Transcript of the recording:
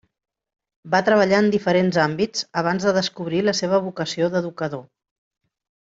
Va treballar en diferents àmbits abans de descobrir la seva vocació d'educador.